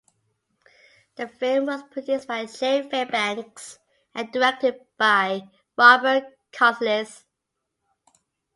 The film was produced by Jerry Fairbanks and directed by Robert Carlisle.